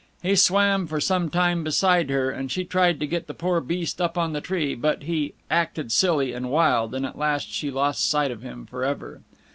He swam for some time beside her, and she tried to get the poor beast up on the tree, but he "acted silly" and wild, and at last she lost sight of him forever.